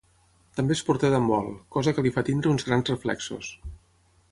També és porter d'handbol, cosa que li fa tenir uns grans reflexos.